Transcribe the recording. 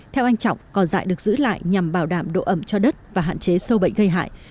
theo anh trọng cỏ dại được giữ lại nhằm bảo đảm độ ẩm cho đất và hạn chế sâu bệnh gây hại